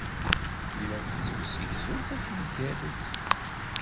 Llant ttemsegzunt akken igerrez.